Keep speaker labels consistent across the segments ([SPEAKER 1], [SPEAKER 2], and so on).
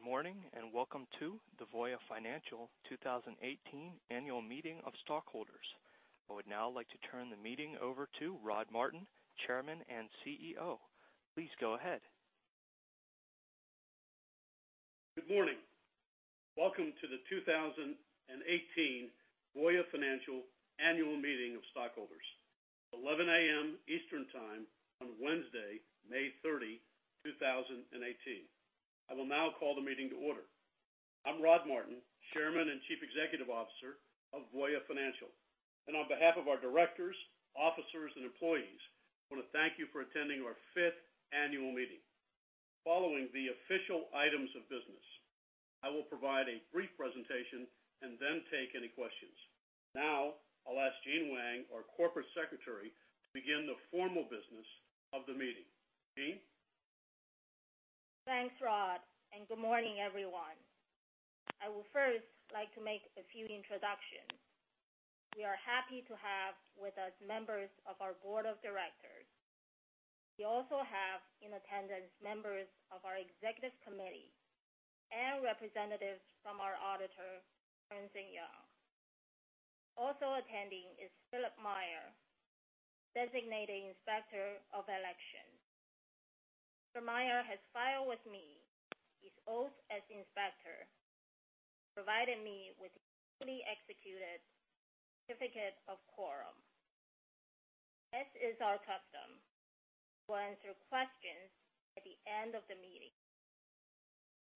[SPEAKER 1] Good morning, welcome to the Voya Financial 2018 Annual Meeting of Stockholders. I would now like to turn the meeting over to Rod Martin, Chairman and CEO. Please go ahead.
[SPEAKER 2] Good morning. Welcome to the 2018 Voya Financial Annual Meeting of Stockholders, 11:00 A.M. Eastern Time on Wednesday, May 30, 2018. I will now call the meeting to order. I'm Rod Martin, Chairman and Chief Executive Officer of Voya Financial, on behalf of our directors, officers, and employees, I want to thank you for attending our fifth annual meeting. Following the official items of business, I will provide a brief presentation then take any questions. Now, I'll ask Jean Weng, our Corporate Secretary, to begin the formal business of the meeting. Jean?
[SPEAKER 3] Thanks, Rod, good morning, everyone. I would first like to make a few introductions. We are happy to have with us members of our board of directors. We also have in attendance members of our executive committee and representatives from our auditor, Ernst & Young. Also attending is Philip Meyer, Designated Inspector of Election. Mr. Meyer has filed with me his oath as inspector, providing me with a fully executed certificate of quorum. As is our custom, we'll answer questions at the end of the meeting.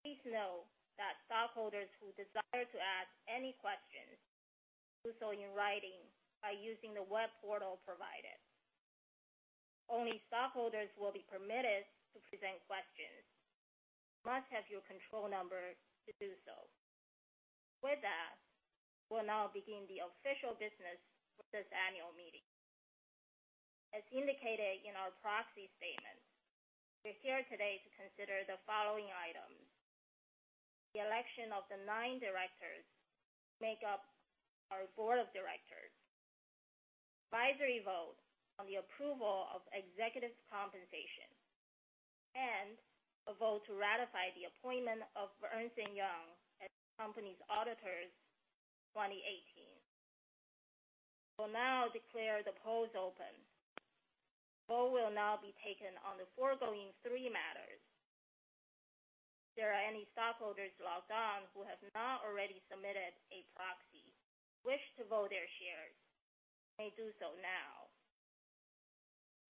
[SPEAKER 3] Please know that stockholders who desire to ask any questions do so in writing by using the web portal provided. Only stockholders will be permitted to present questions. You must have your control number to do so. With that, we'll now begin the official business of this annual meeting. As indicated in our proxy statement, we're here today to consider the following items: the election of the nine directors who make up our board of directors, advisory vote on the approval of executives' compensation, a vote to ratify the appointment of Ernst & Young as the company's auditors in 2018. I will now declare the polls open. Poll will now be taken on the foregoing three matters. If there are any stockholders logged on who have not already submitted a proxy and wish to vote their shares, you may do so now.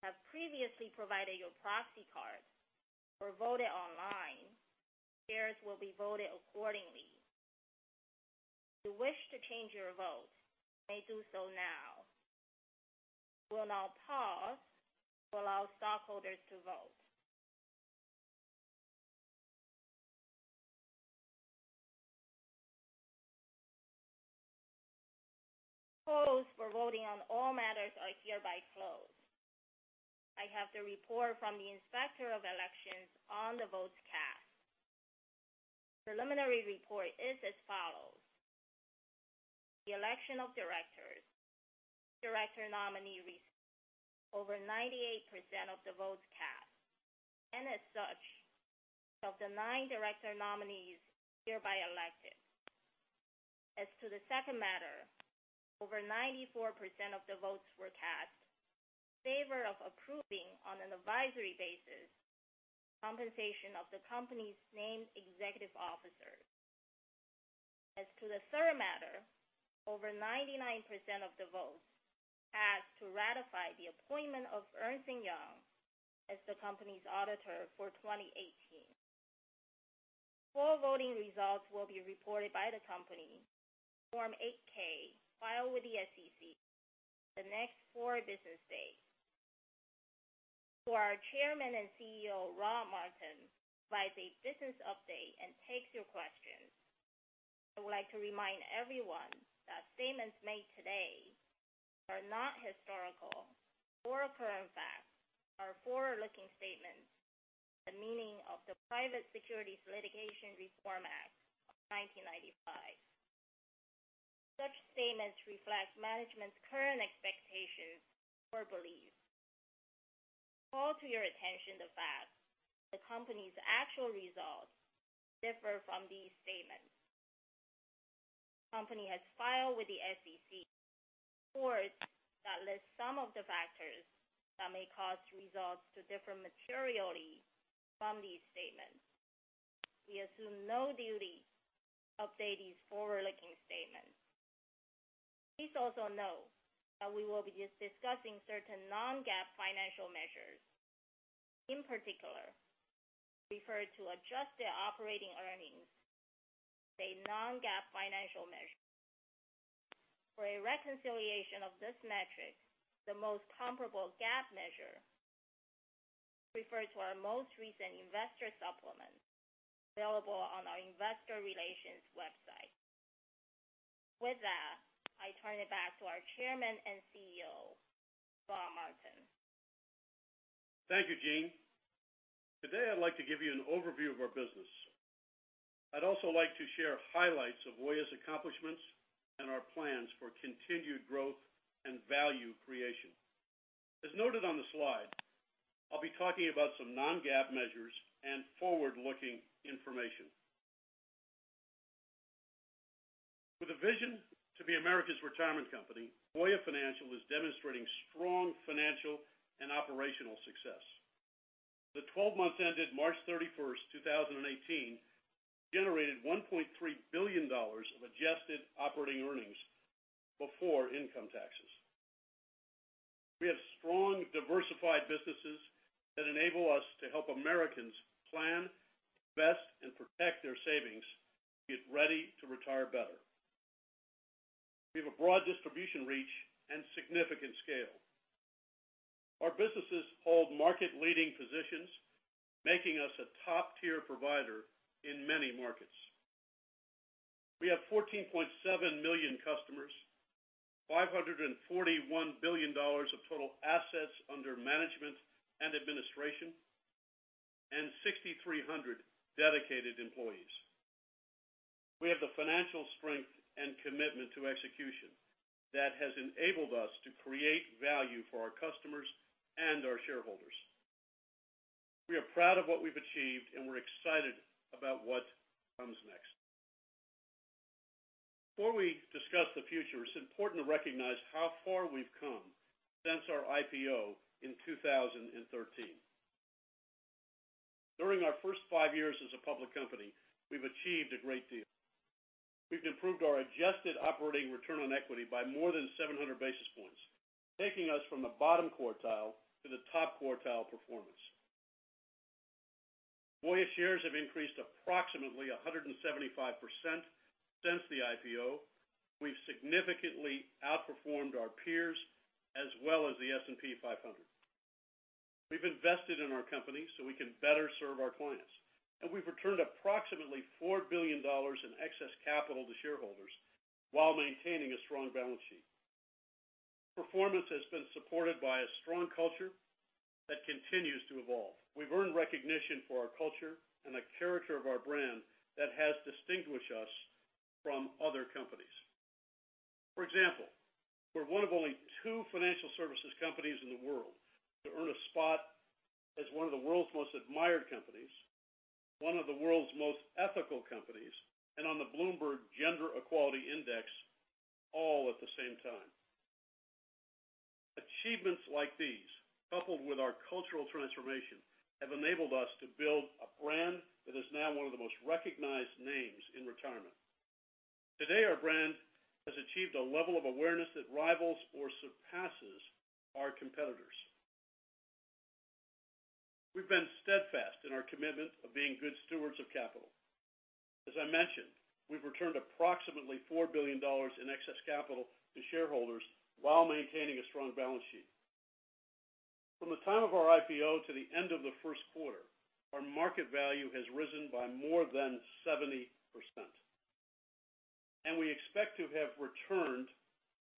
[SPEAKER 3] If you have previously provided your proxy card or voted online, shares will be voted accordingly. If you wish to change your vote, you may do so now. We will now pause to allow stockholders to vote. The polls for voting on all matters are hereby closed. I have the report from the inspector of elections on the votes cast. The preliminary report is as follows. The election of directors. Each director nominee received over 98% of the votes cast, and as such, of the nine director nominees hereby elected. As to the second matter, over 94% of the votes were cast in favor of approving, on an advisory basis, the compensation of the company's named executive officers. As to the third matter, over 99% of the votes asked to ratify the appointment of Ernst & Young as the company's auditor for 2018. Full voting results will be reported by the company in Form 8-K filed with the SEC in the next four business days. Before our Chairman and CEO, Rod Martin, provides a business update and takes your questions, I would like to remind everyone that statements made today are not historical or current facts, are forward-looking statements, the meaning of the Private Securities Litigation Reform Act of 1995. Such statements reflect management's current expectations or beliefs. I call to your attention the fact that the company's actual results differ from these statements. The company has filed with the SEC reports that list some of the factors that may cause results to differ materially from these statements. We assume no duty to update these forward-looking statements. Please also know that we will be discussing certain non-GAAP financial measures. In particular, we refer to adjusted operating earnings as a non-GAAP financial measure. For a reconciliation of this metric, the most comparable GAAP measure, refer to our most recent investor supplement available on our investor relations website. With that, I turn it back to our Chairman and CEO, Rod Martin.
[SPEAKER 2] Thank you, Jean. Today, I'd like to give you an overview of our business. I'd also like to share highlights of Voya's accomplishments and our plans for continued growth and value creation. As noted on the slide, I'll be talking about some non-GAAP measures and forward-looking information. With a vision to be America's retirement company, Voya Financial is demonstrating strong financial and operational success. The 12 months ended March 31st, 2018, generated $1.3 billion of adjusted operating earnings before income taxes. We have strong, diversified businesses that enable us to help Americans plan, invest, and protect their savings to get ready to retire better. We have a broad distribution reach and significant scale. Our businesses hold market-leading positions, making us a top-tier provider in many markets. We have 14.7 million customers, $541 billion of total assets under management and administration, and 6,300 dedicated employees. We have the financial strength and commitment to execution that has enabled us to create value for our customers and our shareholders. We are proud of what we've achieved, and we're excited about what comes next. Before we discuss the future, it's important to recognize how far we've come since our IPO in 2013. During our first five years as a public company, we've achieved a great deal. We've improved our Adjusted Operating Return on Equity by more than 700 basis points, taking us from the bottom quartile to the top quartile performance. Voya shares have increased approximately 175% since the IPO. We've significantly outperformed our peers, as well as the S&P 500. We've invested in our company so we can better serve our clients, and we've returned approximately $4 billion in excess capital to shareholders while maintaining a strong balance sheet. Performance has been supported by a strong culture that continues to evolve. We've earned recognition for our culture and the character of our brand that has distinguished us from other companies. For example, we're one of only two financial services companies in the world to earn a spot as one of the world's most admired companies, one of the world's most ethical companies, and on the Bloomberg Gender-Equality Index, all at the same time. Achievements like these, coupled with our cultural transformation, have enabled us to build a brand that is now one of the most recognized names in retirement. Today, our brand has achieved a level of awareness that rivals or surpasses our competitors. We've been steadfast in our commitment of being good stewards of capital. As I mentioned, we've returned approximately $4 billion in excess capital to shareholders while maintaining a strong balance sheet. From the time of our IPO to the end of the first quarter, our market value has risen by more than 70%. We expect to have returned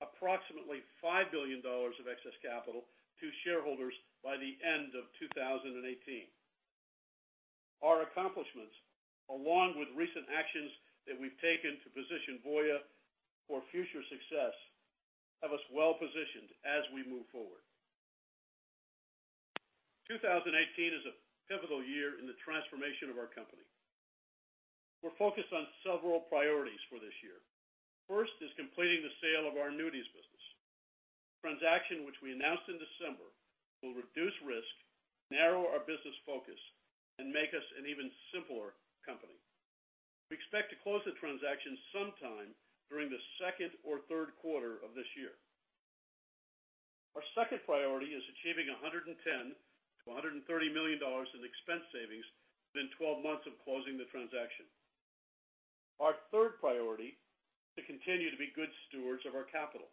[SPEAKER 2] approximately $5 billion of excess capital to shareholders by the end of 2018. Our accomplishments, along with recent actions that we've taken to position Voya for future success, have us well positioned as we move forward. 2018 is a pivotal year in the transformation of our company. We're focused on several priorities for this year. First is completing the sale of our annuities business. Transaction, which we announced in December, will reduce risk, narrow our business focus, and make us an even simpler company. We expect to close the transaction sometime during the second or third quarter of this year. Our second priority is achieving $110 million-$130 million in expense savings within 12 months of closing the transaction. Our third priority, to continue to be good stewards of our capital.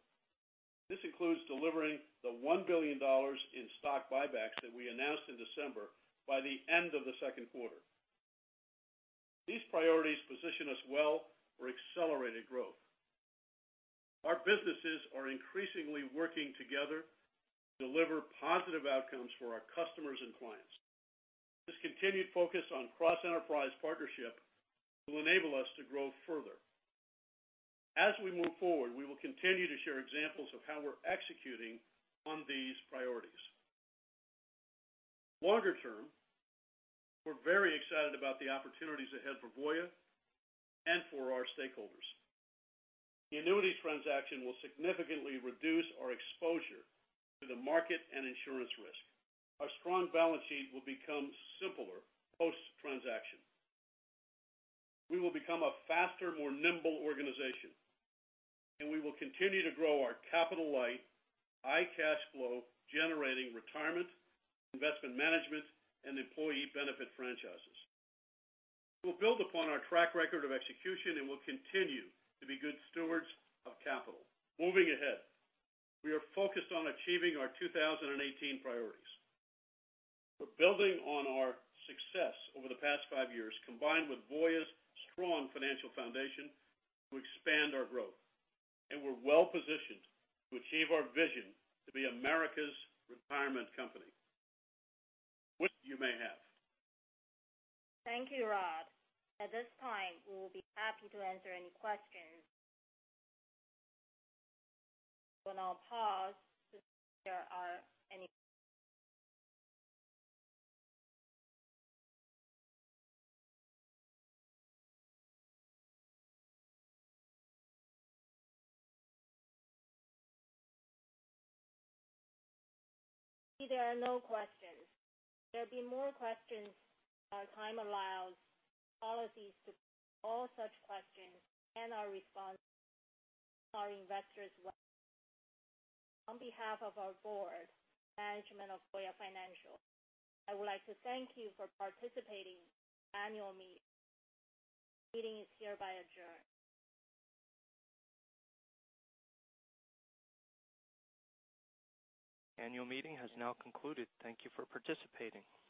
[SPEAKER 2] This includes delivering the $1 billion in stock buybacks that we announced in December by the end of the second quarter. These priorities position us well for accelerated growth. Our businesses are increasingly working together to deliver positive outcomes for our customers and clients. This continued focus on cross-enterprise partnership will enable us to grow further. As we move forward, we will continue to share examples of how we're executing on these priorities. Longer term, we're very excited about the opportunities ahead for Voya and for our stakeholders. The annuities transaction will significantly reduce our exposure to the market and insurance risk. Our strong balance sheet will become simpler post-transaction. We will become a faster, more nimble organization, and we will continue to grow our capital-light, high cash flow-generating retirement, investment management, and employee benefit franchises. We'll build upon our track record of execution, we'll continue to be good stewards of capital. Moving ahead, we are focused on achieving our 2018 priorities. We're building on our success over the past five years, combined with Voya's strong financial foundation to expand our growth. We're well positioned to achieve our vision to be America's retirement company. Questions you may have.
[SPEAKER 3] Thank you, Rod. At this time, we will be happy to answer any questions. We will now pause to see if there are any. I see there are no questions. There'll be more questions when our time allows policies to all such questions and our response to our investors. On behalf of our board, management of Voya Financial, I would like to thank you for participating in our annual meeting. The meeting is hereby adjourned.
[SPEAKER 2] Annual meeting has now concluded. Thank you for participating.